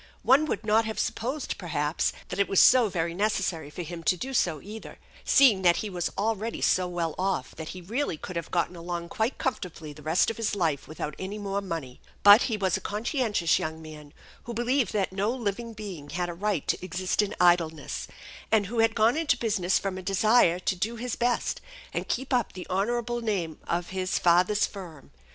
One would not have supposed, perhaps, that it was so very necessary for him to do so, either, seeing that he was already so well off that he really could have gotten along quite comfortably the rest of his life without any more money; but he was a conscientious young man, who believed that no living being had a right to exist in idleness, and who had gone into business from a desire to do his best and keep up the honorable name of his father's firm.